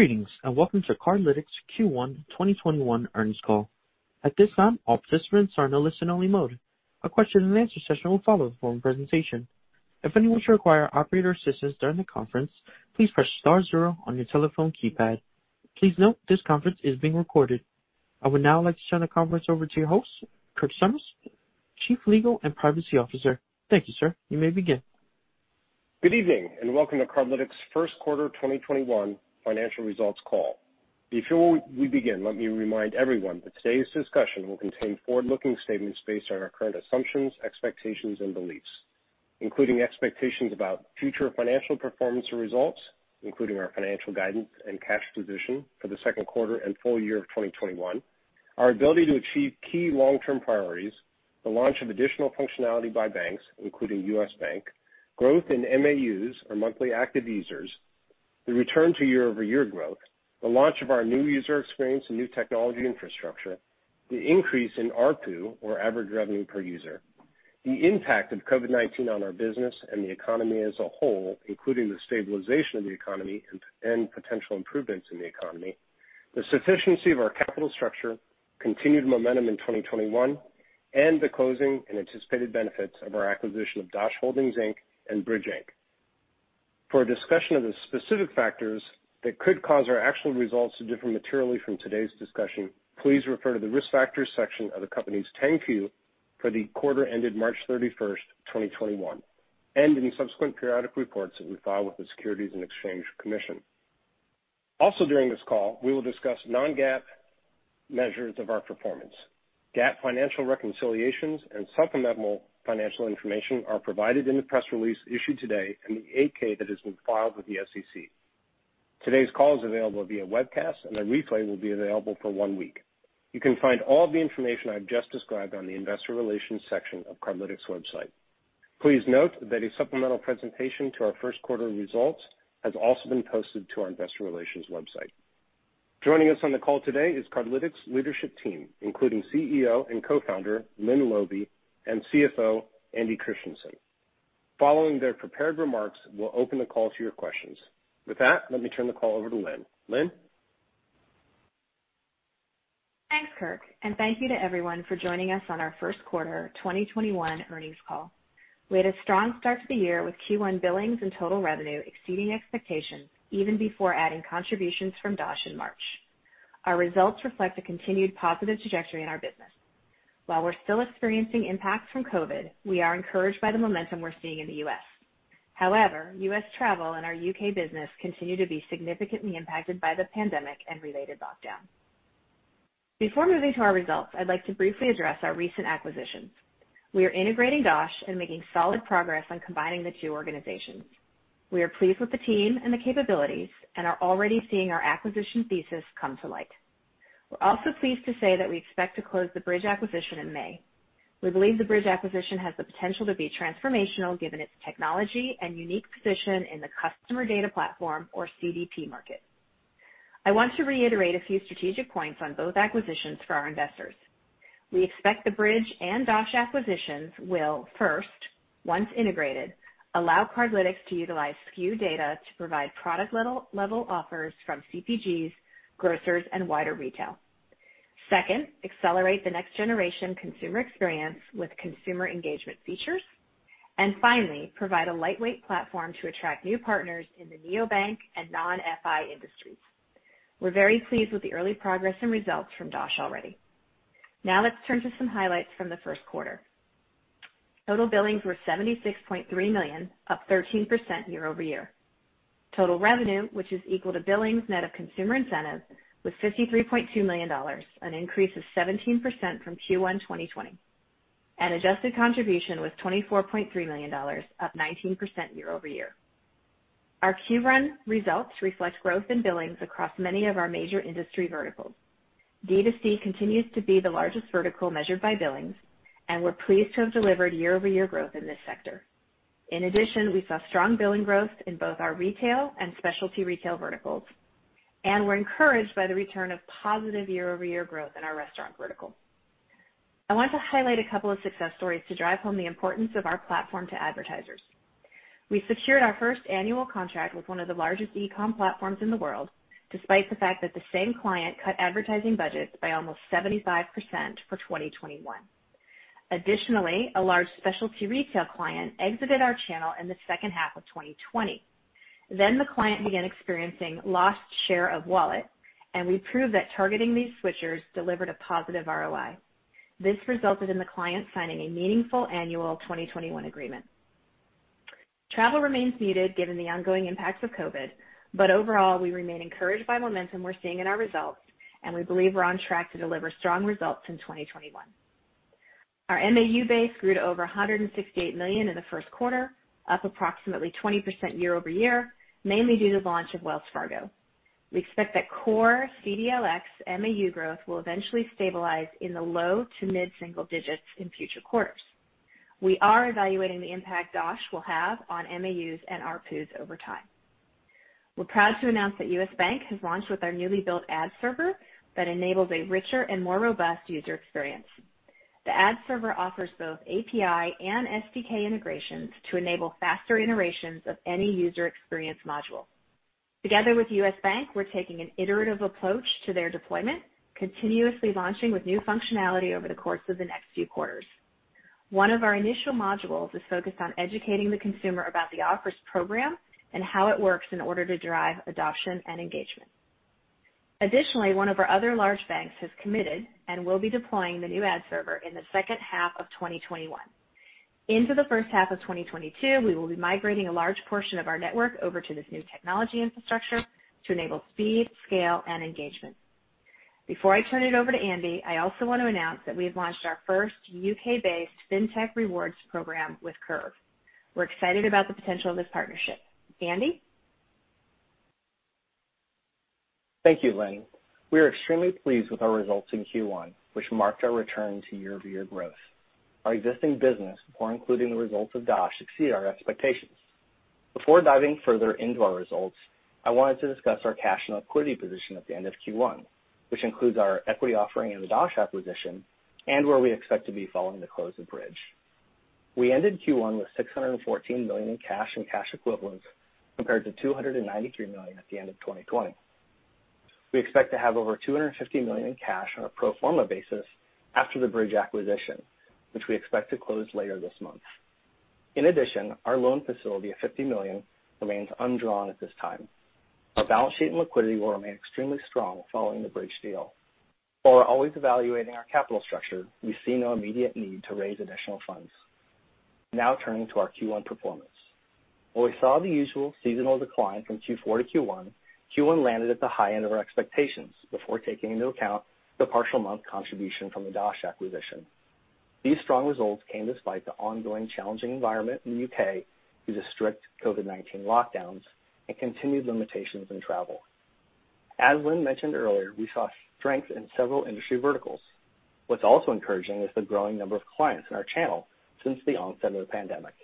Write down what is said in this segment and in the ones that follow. Greetings, and welcome to Cardlytics Q1 2021 earnings call. I would now like to turn the conference over to your host, Kirk Somers, Chief Legal and Privacy Officer. Thank you, sir. You may begin. Good evening, welcome to Cardlytics' first quarter 2021 financial results call. Before we begin, let me remind everyone that today's discussion will contain forward-looking statements based on our current assumptions, expectations and beliefs, including expectations about future financial performance or results, including our financial guidance and cash position for the second quarter and full year of 2021, our ability to achieve key long-term priorities, the launch of additional functionality by banks, including US Bank, growth in MAUs or monthly active users, the return to year-over-year growth, the launch of our new user experience and new technology infrastructure, the increase in ARPU or average revenue per user, the impact of COVID-19 on our business and the economy as a whole, including the stabilization of the economy and potential improvements in the economy, the sufficiency of our capital structure, continued momentum in 2021, and the closing and anticipated benefits of our acquisition of Dosh Holdings, Inc and Bridg Inc. For a discussion of the specific factors that could cause our actual results to differ materially from today's discussion, please refer to the Risk Factors section of the company's 10-Q for the quarter ended March 31st, 2021, and any subsequent periodic reports that we file with the Securities and Exchange Commission. During this call, we will discuss non-GAAP measures of our performance. GAAP financial reconciliations and supplemental financial information are provided in the press release issued today and the 8-K that has been filed with the SEC. Today's call is available via webcast and a replay will be available for one week. You can find all the information I've just described on the Investor Relations section of Cardlytics website. Please note that a supplemental presentation to our first quarter results has also been posted to our Investor Relations website. Joining us on the call today is Cardlytics leadership team, including CEO and Co-Founder, Lynne Laube, and CFO, Andy Christiansen. Following their prepared remarks, we'll open the call to your questions. With that, let me turn the call over to Lynne. Lynne? Thanks, Kirk, thank you to everyone for joining us on our first quarter 2021 earnings call. We had a strong start to the year with Q1 billings and total revenue exceeding expectations even before adding contributions from Dosh in March. Our results reflect a continued positive trajectory in our business. While we're still experiencing impacts from COVID, we are encouraged by the momentum we're seeing in the U.S. However, U.S. travel and our U.K. business continue to be significantly impacted by the pandemic and related lockdown. Before moving to our results, I'd like to briefly address our recent acquisitions. We are integrating Dosh and making solid progress on combining the two organizations. We are pleased with the team and the capabilities and are already seeing our acquisition thesis come to light. We're also pleased to say that we expect to close the Bridg acquisition in May. We believe the Bridg acquisition has the potential to be transformational given its technology and unique position in the customer data platform or CDP market. I want to reiterate a few strategic points on both acquisitions for our investors. We expect the Bridg and Dosh acquisitions will first, once integrated, allow Cardlytics to utilize SKU data to provide product-level offers from CPGs, grocers, and wider retail. Second, accelerate the next generation consumer experience with consumer engagement features. Finally, provide a lightweight platform to attract new partners in the neobank and non-FI industries. We're very pleased with the early progress and results from Dosh already. Now let's turn to some highlights from the first quarter. Total billings were $76.3 million, up 13% year-over-year. Total revenue, which is equal to billings net of consumer incentive, was $53.2 million, an increase of 17% from Q1 2020. Adjusted contribution was $24.3 million, up 19% year-over-year. Our Q1 results reflect growth in billings across many of our major industry verticals. D2C continues to be the largest vertical measured by billings, and we're pleased to have delivered year-over-year growth in this sector. In addition, we saw strong billing growth in both our retail and specialty retail verticals, and we're encouraged by the return of positive year-over-year growth in our restaurant vertical. I want to highlight a couple of success stories to drive home the importance of our platform to advertisers. We secured our first annual contract with one of the largest e-com platforms in the world, despite the fact that the same client cut advertising budgets by almost 75% for 2021. Additionally, a large specialty retail client exited our channel in the second half of 2020. The client began experiencing lost share of wallet, and we proved that targeting these switchers delivered a positive ROI. This resulted in the client signing a meaningful annual 2021 agreement. Travel remains muted given the ongoing impacts of COVID-19, overall, we remain encouraged by momentum we're seeing in our results, and we believe we're on track to deliver strong results in 2021. Our MAU base grew to over 168 million in the first quarter, up approximately 20% year-over-year, mainly due to launch of Wells Fargo. We expect that core CDLX MAU growth will eventually stabilize in the low to mid single digits in future quarters. We are evaluating the impact Dosh will have on MAUs and ARPUs over time. We're proud to announce that US Bank has launched with our newly built ad server that enables a richer and more robust user experience. The ad server offers both API and SDK integrations to enable faster iterations of any user experience module. Together with US Bank, we're taking an iterative approach to their deployment, continuously launching with new functionality over the course of the next few quarters. One of our initial modules is focused on educating the consumer about the offers program and how it works in order to drive adoption and engagement. Additionally, one of our other large banks has committed and will be deploying the new ad server in the second half of 2021. Into the first half of 2022, we will be migrating a large portion of our network over to this new technology infrastructure to enable speed, scale, and engagement. Before I turn it over to Andy, I also want to announce that we have launched our first U.K.-based fintech rewards program with Curve. We're excited about the potential of this partnership. Andy? Thank you, Lynne. We are extremely pleased with our results in Q1, which marked our return to year-over-year growth. Our existing business, before including the results of Dosh, exceed our expectations. Before diving further into our results, I wanted to discuss our cash and liquidity position at the end of Q1, which includes our equity offering in the Dosh acquisition and where we expect to be following the close of Bridg. We ended Q1 with $614 million in cash and cash equivalents, compared to $293 million at the end of 2020. We expect to have over $250 million in cash on a pro forma basis after the Bridg acquisition, which we expect to close later this month. In addition, our loan facility of $50 million remains undrawn at this time. Our balance sheet and liquidity will remain extremely strong following the Bridg deal. While we're always evaluating our capital structure, we see no immediate need to raise additional funds. Turning to our Q1 performance. While we saw the usual seasonal decline from Q4-Q1 landed at the high end of our expectations before taking into account the partial month contribution from the Dosh acquisition. These strong results came despite the ongoing challenging environment in the U.K. due to strict COVID-19 lockdowns and continued limitations in travel. As Lynne mentioned earlier, we saw strength in several industry verticals. What's also encouraging is the growing number of clients in our channel since the onset of the pandemic.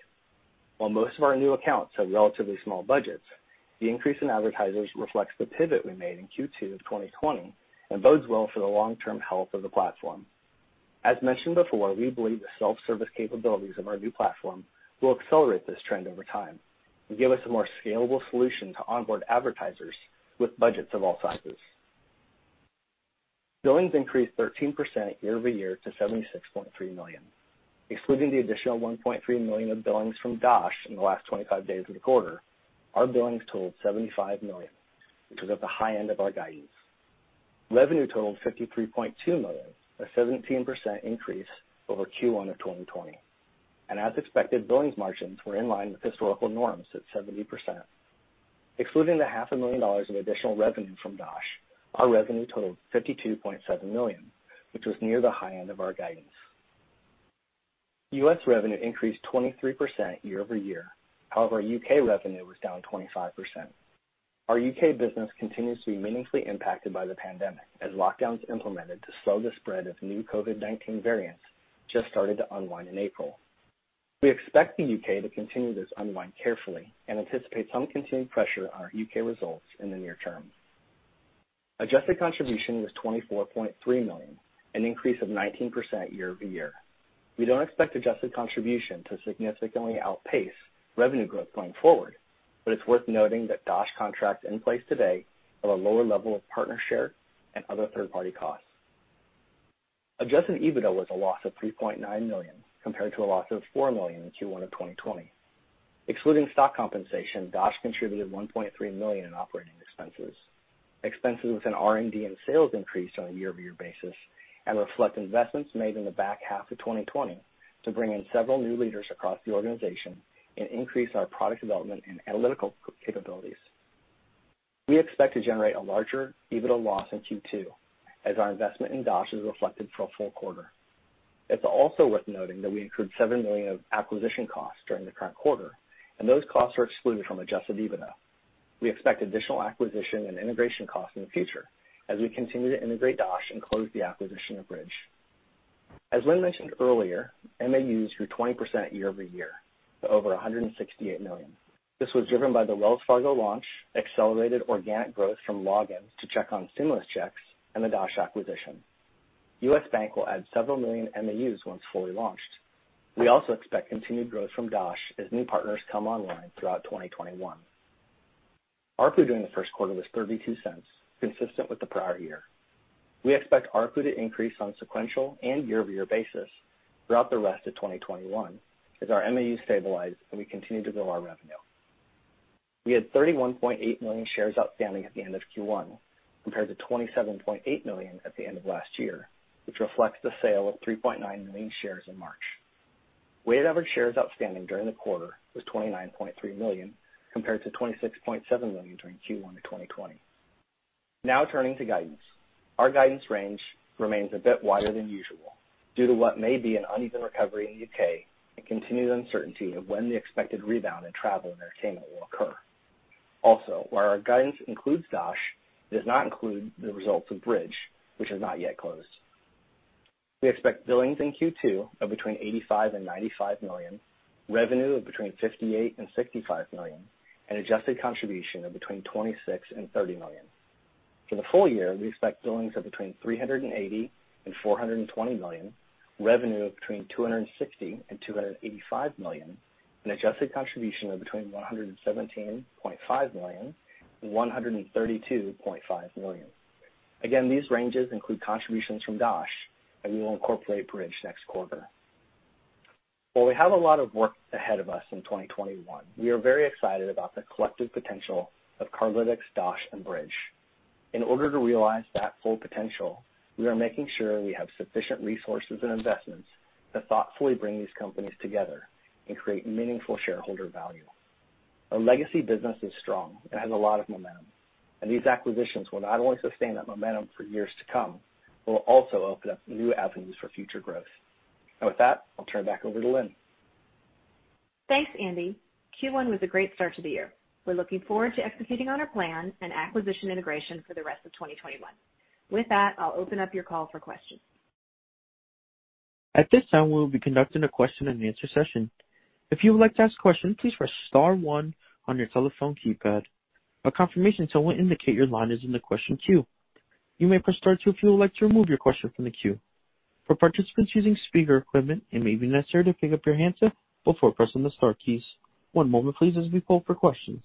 While most of our new accounts have relatively small budgets, the increase in advertisers reflects the pivot we made in Q2 2020 and bodes well for the long-term health of the platform. As mentioned before, we believe the self-service capabilities of our new platform will accelerate this trend over time and give us a more scalable solution to onboard advertisers with budgets of all sizes. Billings increased 13% year-over-year to $76.3 million. Excluding the additional $1.3 million of billings from Dosh in the last 25 days of the quarter, our billings totaled $75 million, which was at the high end of our guidance. Revenue totaled $53.2 million, a 17% increase over Q1 of 2020. As expected, billings margins were in line with historical norms at 70%. Excluding the $500,000 of additional revenue from Dosh, our revenue totaled $52.7 million, which was near the high end of our guidance. US revenue increased 23% year-over-year. However, UK revenue was down 25%. Our U.K. business continues to be meaningfully impacted by the pandemic, as lockdowns implemented to slow the spread of new COVID-19 variants just started to unwind in April. We expect the U.K. to continue this unwind carefully and anticipate some continued pressure on our U.K. results in the near term. Adjusted contribution was $24.3 million, an increase of 19% year-over-year. We don't expect adjusted contribution to significantly outpace revenue growth going forward, but it's worth noting that Dosh contracts in place today have a lower level of partner share and other third-party costs. Adjusted EBITDA was a loss of $3.9 million, compared to a loss of $4 million in Q1 of 2020. Excluding stock compensation, Dosh contributed $1.3 million in operating expenses. Expenses within R&D and sales increased on a year-over-year basis and reflect investments made in the back half of 2020 to bring in several new leaders across the organization and increase our product development and analytical capabilities. We expect to generate a larger EBITDA loss in Q2 as our investment in Dosh is reflected for a full quarter. It's also worth noting that we incurred $7 million of acquisition costs during the current quarter, and those costs are excluded from Adjusted EBITDA. We expect additional acquisition and integration costs in the future as we continue to integrate Dosh and close the acquisition of Bridg. As Lynne mentioned earlier, MAUs grew 20% year-over-year to over 168 million. This was driven by the Wells Fargo launch, accelerated organic growth from logins to check on stimulus checks, and the Dosh acquisition. US Bank will add several million MAUs once fully launched. We also expect continued growth from Dosh as new partners come online throughout 2021. ARPU during the first quarter was $0.32, consistent with the prior year. We expect ARPU to increase on a sequential and year-over-year basis throughout the rest of 2021 as our MAUs stabilize and we continue to grow our revenue. We had 31.8 million shares outstanding at the end of Q1, compared to 27.8 million at the end of last year, which reflects the sale of 3.9 million shares in March. Weighted average shares outstanding during the quarter was 29.3 million, compared to 26.7 million during Q1 of 2020. Turning to guidance. Our guidance range remains a bit wider than usual due to what may be an uneven recovery in the U.K. and continued uncertainty of when the expected rebound in travel and entertainment will occur. While our guidance includes Dosh, it does not include the results of Bridg, which has not yet closed. We expect billings in Q2 of between $85 million and $95 million, revenue of between $58 million and $65 million, and adjusted contribution of between $26 million and $30 million. For the full year, we expect billings of between $380 million and $420 million, revenue of between $260 million and $285 million, and adjusted contribution of between $117.5 million and $132.5 million. Again, these ranges include contributions from Dosh, and we will incorporate Bridg next quarter. While we have a lot of work ahead of us in 2021, we are very excited about the collective potential of Cardlytics, Dosh and Bridg. In order to realize that full potential, we are making sure we have sufficient resources and investments to thoughtfully bring these companies together and create meaningful shareholder value. Our legacy business is strong and has a lot of momentum, and these acquisitions will not only sustain that momentum for years to come, but will also open up new avenues for future growth. With that, I'll turn it back over to Lynne. Thanks, Andy. Q1 was a great start to the year. We're looking forward to executing on our plan and acquisition integration for the rest of 2021. With that, I'll open up your call for questions. At this time, we will be conducting a question-and-answer session. If you would like to ask a question, please press star one on your telephone keypad. A confirmation tone will indicate your line is in the question queue. You may press star two if you would like to remove your question from the queue. For participants using speaker equipment, it may be necessary to pick up your handset before pressing the star keys. One moment, please, as we poll for questions.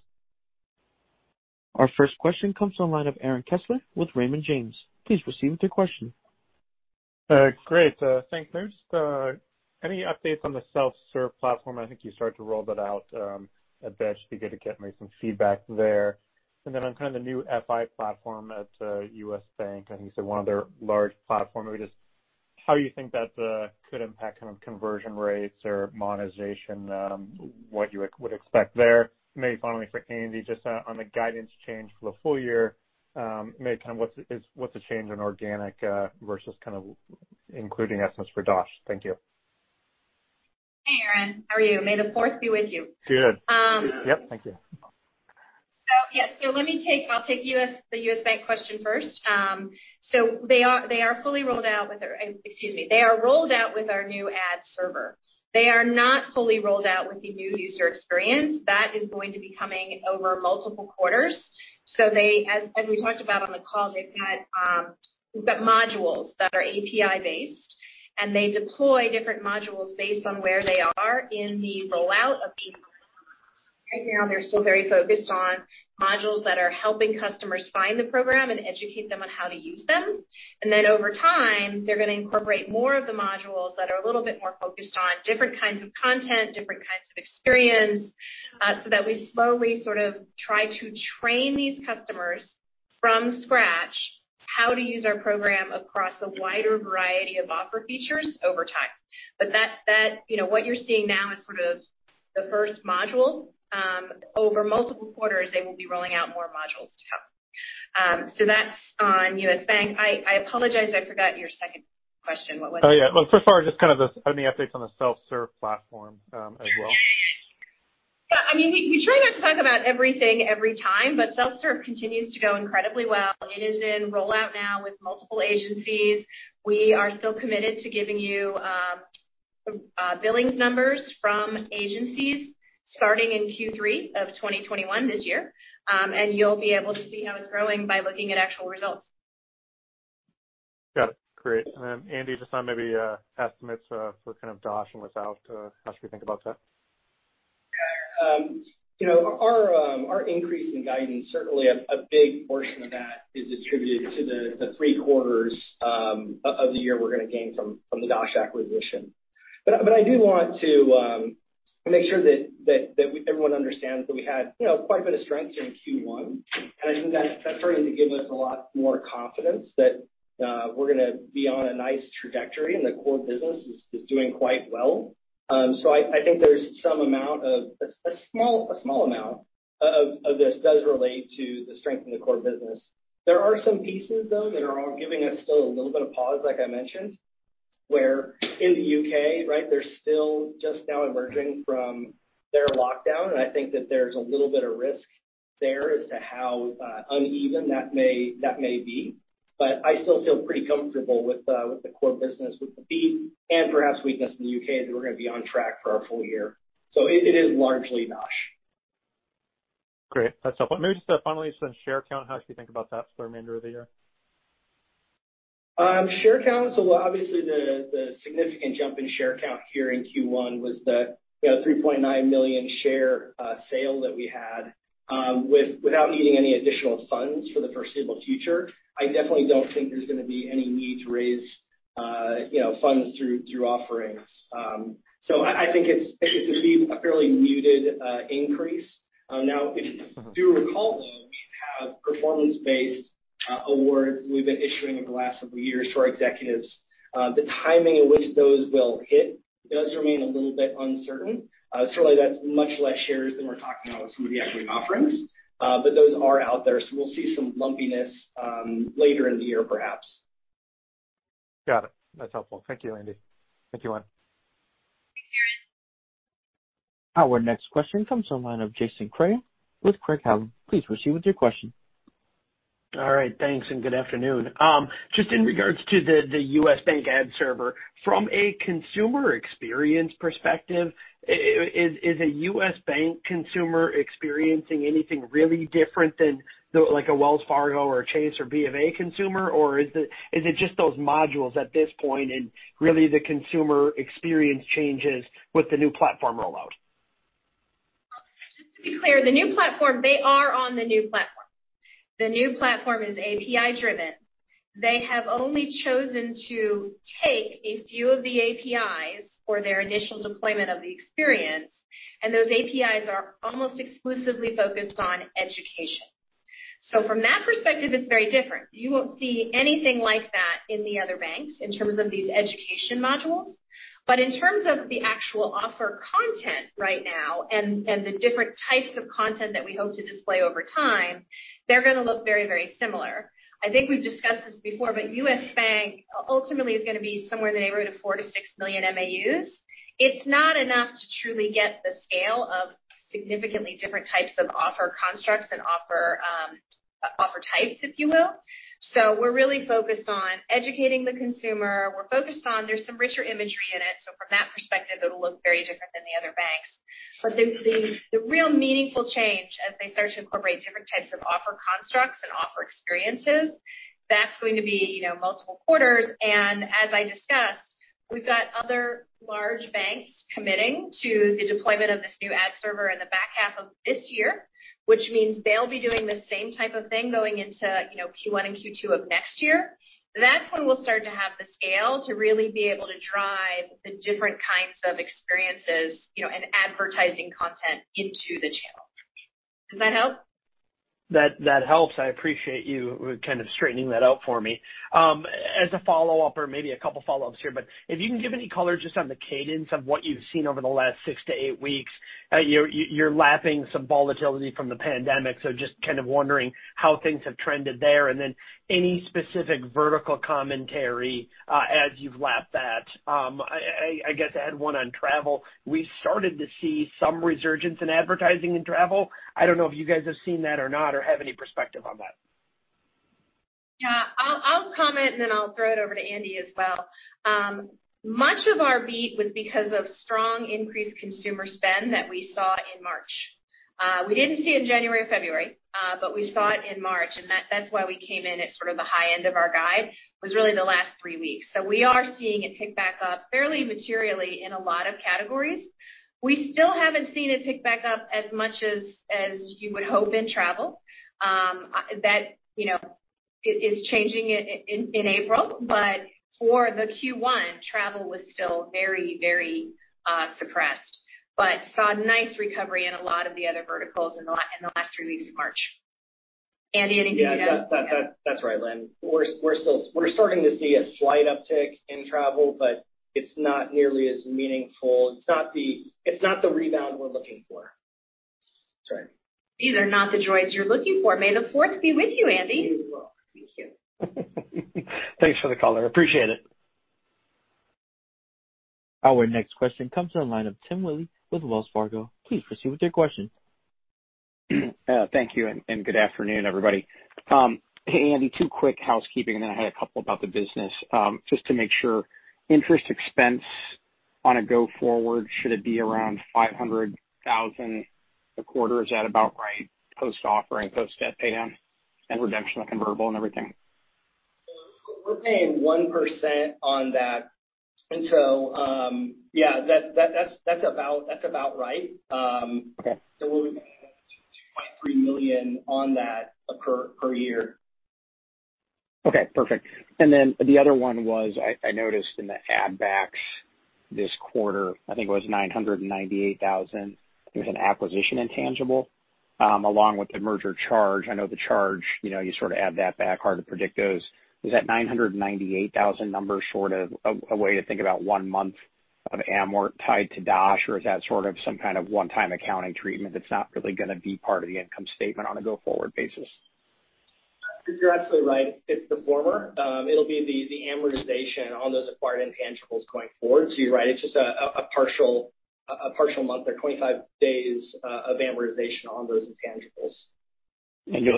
Our first question comes from the line of Aaron Kessler with Raymond James. Please proceed with your question. Great. Thanks, Lynne Laube. Just any updates on the self-serve platform? I think you started to roll that out a bit. Should be good to get maybe some feedback there. Then on kind of the new FI platform at US Bank, I think you said one of their large platform. Maybe just how you think that could impact conversion rates or monetization, what you would expect there. Maybe finally for Andy Christiansen, just on the guidance change for the full year. Maybe what's the change in organic versus including estimates for Dosh? Thank you. Hey, Aaron. How are you? May the fourth be with you. Good. Yep, thank you. Yes. I'll take the US Bank question first. Excuse me. They are rolled out with our new ad server. They are not fully rolled out with the new user experience. That is going to be coming over multiple quarters. As we talked about on the call, they've got modules that are API based, and they deploy different modules based on where they are in the rollout of these. Right now, they're still very focused on modules that are helping customers find the program and educate them on how to use them. Over time, they're going to incorporate more of the modules that are a little bit more focused on different kinds of content, different kinds of experience, so that we slowly sort of try to train these customers from scratch how to use our program across a wider variety of offer features over time. What you're seeing now is sort of the first module. Over multiple quarters, they will be rolling out more modules to come. That's on US. Bank. I apologize, I forgot your second question. What was it? Oh, yeah. Well, first of all, just any updates on the self-serve platform as well? We try not to talk about everything every time, but self-serve continues to go incredibly well. It is in rollout now with multiple agencies. We are still committed to giving you billings numbers from agencies starting in Q3 of 2021 this year. You'll be able to see how it's growing by looking at actual results. Got it. Great. Andy, just on maybe estimates for kind of Dosh and what's out, how should we think about that? Our increase in guidance, certainly a big portion of that is attributed to the three quarters of the year we're going to gain from the Dosh acquisition. I do want to make sure that everyone understands that we had quite a bit of strength during Q1, and I think that's starting to give us a lot more confidence that we're going to be on a nice trajectory and the core business is doing quite well. I think there's some amount of a small amount of this does relate to the strength in the core business. There are some pieces, though, that are giving us still a little bit of pause, like I mentioned, where in the U.K., they're still just now emerging from their lockdown, and I think that there's a little bit of risk there as to how uneven that may be. I still feel pretty comfortable with the core business, with the beat and perhaps weakness in the U.K., that we're going to be on track for our full year. It is largely Dosh. Great. That's helpful. Maybe just finally, on share count, how should we think about that for the remainder of the year? Share count. Obviously the significant jump in share count here in Q1 was the 3.9 million share sale that we had without needing any additional funds for the foreseeable future. I definitely don't think there's going to be any need to raise funds through offerings. I think it's a fairly muted increase. If you do recall, though, we have performance-based awards we've been issuing over the last couple years to our executives. The timing in which those will hit does remain a little bit uncertain. Certainly, that's much less shares than we're talking about with some of the equity offerings. Those are out there, so we'll see some lumpiness later in the year, perhaps. Got it. That's helpful. Thank you, Andy. Thank you, Lynn. Our next question comes on the line of Jason Kreyer with Craig-Hallum. Please proceed with your question. All right. Thanks, and good afternoon. Just in regards to the US Bank ad server, from a consumer experience perspective, is a US Bank consumer experiencing anything really different than a Wells Fargo or a Chase or B of A consumer, or is it just those modules at this point and really the consumer experience changes with the new platform rollout? Just to be clear, they are on the new platform. The new platform is API-driven. They have only chosen to take a few of the APIs for their initial deployment of the experience, and those APIs are almost exclusively focused on education. From that perspective, it's very different. You won't see anything like that in the other banks in terms of these education modules. In terms of the actual offer content right now and the different types of content that we hope to display over time, they're going to look very similar. I think we've discussed this before, US Bank ultimately is going to be somewhere in the neighborhood of 4 million-6 million MAUs. It's not enough to truly get the scale of significantly different types of offer constructs and offer types, if you will. We're really focused on educating the consumer. We're focused on there's some richer imagery in it, so from that perspective, it'll look very different than the other banks. The real meaningful change as they start to incorporate different types of offer constructs and offer experiences, that's going to be multiple quarters, and as I discussed, we've got other large banks committing to the deployment of this new ad server in the back half of this year. Which means they'll be doing the same type of thing going into Q1 and Q2 of next year. That's when we'll start to have the scale to really be able to drive the different kinds of experiences and advertising content into the channel. Does that help? That helps. I appreciate you kind of straightening that out for me. As a follow-up or maybe a couple follow-ups here, but if you can give any color just on the cadence of what you've seen over the last six to eight weeks. You're lapping some volatility from the pandemic, so just kind of wondering how things have trended there, and then any specific vertical commentary as you've lapped that. I guess I had one on travel. We started to see some resurgence in advertising in travel. I don't know if you guys have seen that or not or have any perspective on that. Yeah. I'll comment, and then I'll throw it over to Andy as well. Much of our beat was because of strong increased consumer spend that we saw in March. We didn't see in January or February, but we saw it in March, and that's why we came in at sort of the high end of our guide, was really the last three weeks. We are seeing it pick back up fairly materially in a lot of categories. We still haven't seen it pick back up as much as you would hope in travel. That is changing in April, but for the Q1, travel was still very suppressed. Saw nice recovery in a lot of the other verticals in the last three weeks of March. Andy, anything you'd add? Yeah. That's right, Lynne. We're starting to see a slight uptick in travel, but it's not nearly as meaningful. It's not the rebound we're looking for. Sorry. These are not the droids you're looking for. May the fourth be with you, Andy. Very well. Thank you. Thanks for the color. I appreciate it. Our next question comes on the line of Tim Willi with Wells Fargo. Please proceed with your question. Thank you, good afternoon, everybody. Hey, Andy, two quick housekeeping, then I had a couple about the business. Just to make sure, interest expense on a go forward, should it be around $500,000 a quarter? Is that about right, post-offer and post debt pay down and redemption of convertible and everything? We're paying 1% on that. Yeah, that's about right. Okay. We'll be paying $2.3 million on that per year. Okay, perfect. The other one was, I noticed in the add backs this quarter, I think it was $998,000. There was an acquisition intangible along with the merger charge. I know the charge, you sort of add that back, hard to predict those. Is that $998,000 number short of a way to think about one month of amort tied to Dosh, or is that sort of some kind of one-time accounting treatment that's not really going to be part of the income statement on a go-forward basis? You're absolutely right. It's the former. It'll be the amortization on those acquired intangibles going forward. You're right, it's just a partial month or 25 days of amortization on those intangibles.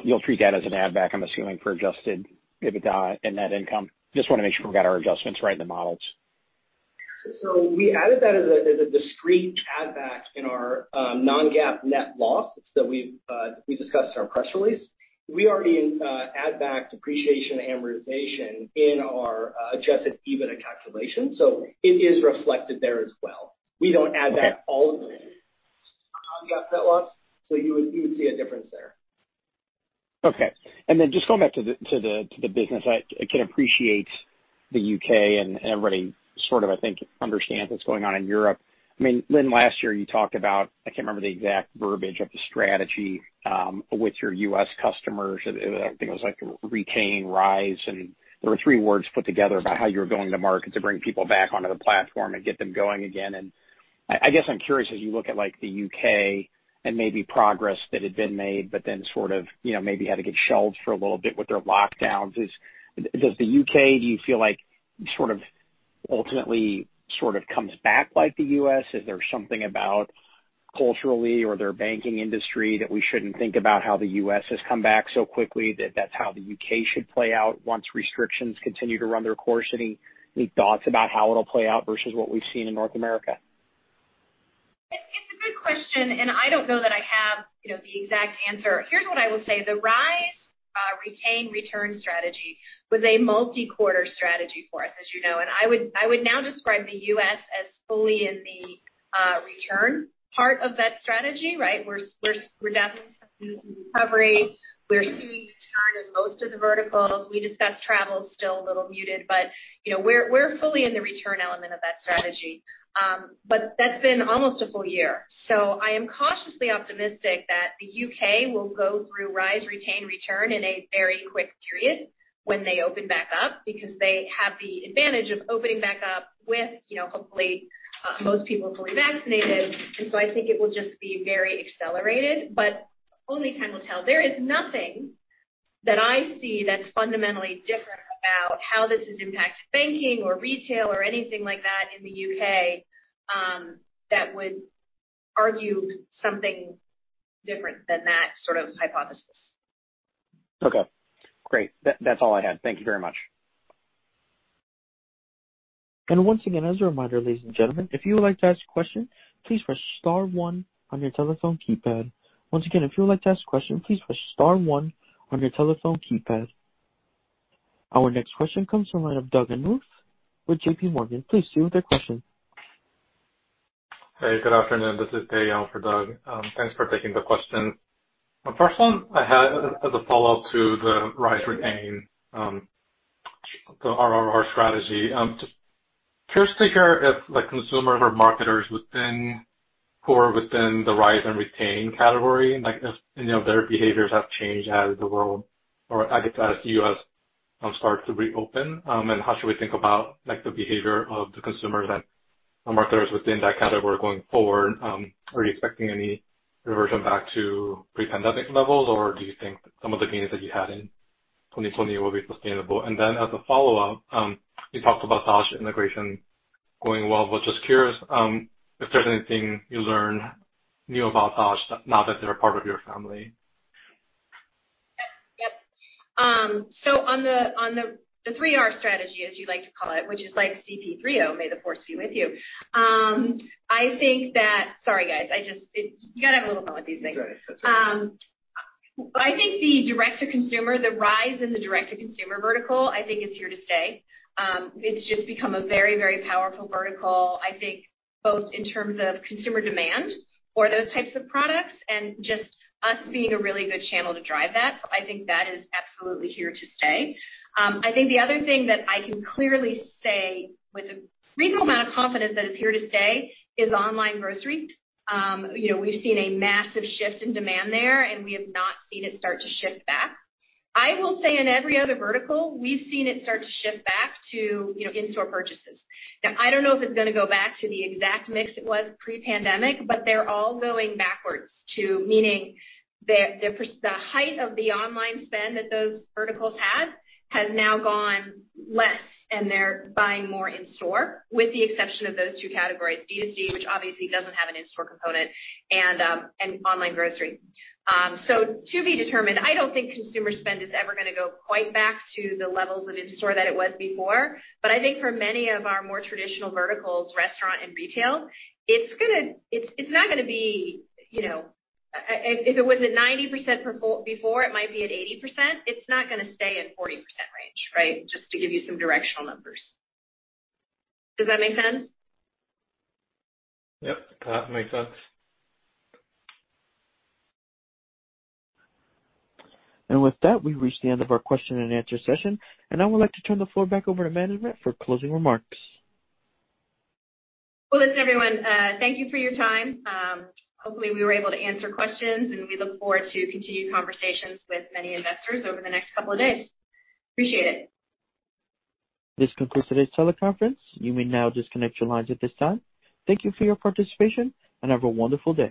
You'll treat that as an add back, I'm assuming, for Adjusted EBITDA and net income. Just want to make sure we've got our adjustments right in the models. We added that as a discrete add back in our non-GAAP net loss that we've discussed in our press release. We already add back depreciation amortization in our Adjusted EBITDA calculation, so it is reflected there as well. We don't add back all of the non-GAAP net loss, so you would see a difference there. Okay. Just going back to the business, I can appreciate the U.K. and everybody sort of, I think, understands what's going on in Europe. Lynne Laube, last year you talked about, I can't remember the exact verbiage of the strategy with your US customers. I think it was like retain, rise, and there were three words put together about how you were going to market to bring people back onto the platform and get them going again. I guess I'm curious as you look at the U.K. and maybe progress that had been made, but then sort of maybe had to get shelved for a little bit with their lockdowns. Does the U.K., do you feel like sort of ultimately comes back like the U.S.? Is there something about culturally or their banking industry that we shouldn't think about how the U.S. has come back so quickly, that that's how the U.K. should play out once restrictions continue to run their course? Any thoughts about how it'll play out versus what we've seen in North America? It's a good question. I don't know that I have the exact answer. Here's what I will say. The rise, retain, return strategy was a multi-quarter strategy for us, as you know. I would now describe the U.S. as fully in the return part of that strategy, right? We're definitely in recovery. We're seeing return in most of the verticals. We discussed travel is still a little muted. We're fully in the return element of that strategy. That's been almost a full year. I am cautiously optimistic that the U.K. will go through rise, retain, return in a very quick period when they open back up, because they have the advantage of opening back up with hopefully most people fully vaccinated. I think it will just be very accelerated. Only time will tell. There is nothing that I see that's fundamentally different about how this has impacted banking or retail or anything like that in the U.K., that would argue something different than that sort of hypothesis. Okay, great. That's all I had. Thank you very much. Once again, as a reminder, ladies and gentlemen, if you would like to ask a question, please press star one on your telephone keypad. Once again, if you would like to ask a question, please press star one on your telephone keypad. Our next question comes from the line of Doug Anmuth with JPMorgan. Please proceed with your question. Hey, good afternoon. This is Dae Young for Doug. Thanks for taking the question. First one I had as a follow-up to the rise, retain, the RRR strategy. Just curious to hear if the consumers or marketers who are within the rise and retain category, if any of their behaviors have changed as the world, or I guess as U.S. starts to reopen. How should we think about the behavior of the consumers and marketers within that category going forward? Are you expecting any reversion back to pre-pandemic levels, or do you think some of the gains that you had in 2020 will be sustainable? As a follow-up, you talked about Taj integration going well. Was just curious if there's anything you learned new about Taj now that they're a part of your family. Yep. On the three R strategy, as you like to call it, which is like C-3PO, may the force be with you. Sorry, guys. You got to have a little fun with these things. Right. That's okay. I think the rise in the Direct-to-Consumer vertical, I think is here to stay. It's just become a very, very powerful vertical, I think both in terms of consumer demand for those types of products and just us being a really good channel to drive that. I think that is absolutely here to stay. I think the other thing that I can clearly say with a reasonable amount of confidence that it's here to stay is online grocery. We've seen a massive shift in demand there, and we have not seen it start to shift back. I will say in every other vertical, we've seen it start to shift back to in-store purchases. I don't know if it's gonna go back to the exact mix it was pre-pandemic, but they're all going backwards to meaning the height of the online spend that those verticals had has now gone less, and they're buying more in-store, with the exception of those two categories, D2C, which obviously doesn't have an in-store component, and online grocery. To be determined. I don't think consumer spend is ever gonna go quite back to the levels of in-store that it was before. I think for many of our more traditional verticals, restaurant and retail, if it was at 90% before, it might be at 80%. It's not gonna stay at 40% range, right? Just to give you some directional numbers. Does that make sense? Yep, that makes sense. With that, we've reached the end of our question-and answer session, and I would like to turn the floor back over to management for closing remarks. Well, listen, everyone. Thank you for your time. Hopefully, we were able to answer questions, and we look forward to continued conversations with many investors over the next couple of days. Appreciate it. This concludes today's teleconference. You may now disconnect your lines at this time. Thank you for your participation, and have a wonderful day.